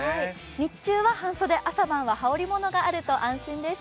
日中は半袖夕方は羽織りものがあると安心です。